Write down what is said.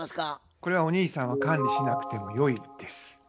これはお兄さんは管理しなくてもよいです。